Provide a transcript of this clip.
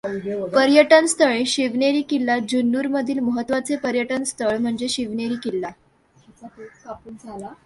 पर्यटन स्थळे शिवनेरी किल्ला जुन्नर मधील महत्त्वाचे पर्यटन स्थळ म्हणजे शिवनेरी किल्ला.